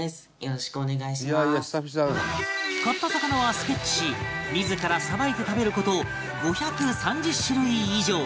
買った魚はスケッチし自らさばいて食べる事５３０種類以上